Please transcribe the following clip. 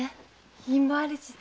品もあるしさ。